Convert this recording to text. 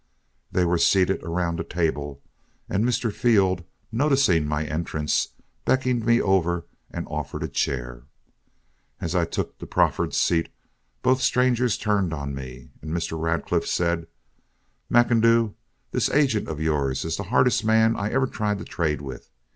They were seated around a table, and Mr. Field, noticing my entrance, beckoned me over and offered a chair. As I took the proffered seat, both strangers turned on me, and Mr. Radcliff said: "McIndoo, this agent of yours is the hardest man I ever tried to trade with.